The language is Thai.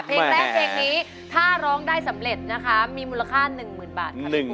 เพลงแรกเพลงนี้ถ้าร้องได้สำเร็จมีมูลค่า๑หมื่นบาทครับพี่ปู